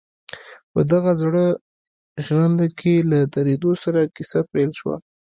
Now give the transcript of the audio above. په دغه زړه ژرنده کې له درېدو سره کيسه پيل شوه.